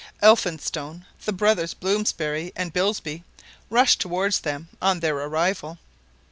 Elphinstone, the brothers Blomsberry, and Bilsby rushed toward them on their arrival.